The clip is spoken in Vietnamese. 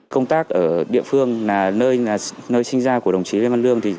công tác ở địa phương là nơi sinh ra của đồng chí lê văn lương